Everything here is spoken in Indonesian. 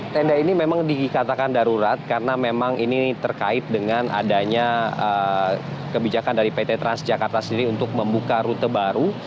tenda ini memang dikatakan darurat karena memang ini terkait dengan adanya kebijakan dari pt transjakarta sendiri untuk membuka rute baru